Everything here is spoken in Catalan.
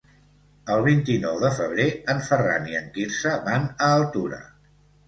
El vint-i-nou de febrer en Ferran i en Quirze van a Altura.